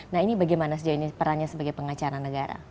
nah ini bagaimana sejauh ini perannya sebagai pengacara negara